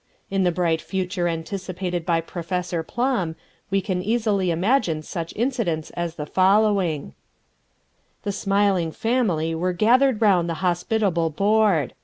In the bright future anticipated by Professor Plumb, we can easily imagine such incidents as the following: The smiling family were gathered round the hospitable board.